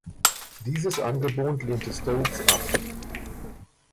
Dieses Angebot lehnte Stokes ab.